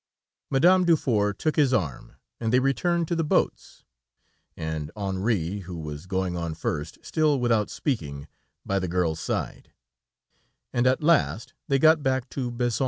Madame Dufour took his arm, and they returned to the boats, and Henri, who was going on first, still without speaking, by the girl's side, and at last they got back to Bézons.